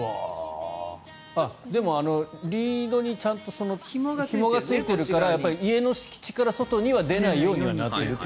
でも、リードにちゃんとひもがついているから家の敷地から外には出ないようにはなっていると。